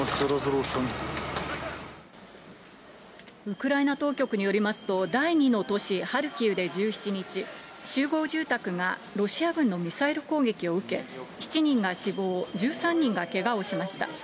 ウクライナ当局によりますと、第２の都市ハルキウで１７日、集合住宅がロシア軍のミサイル攻撃を受け、７人が死亡、１３人がけがをしました。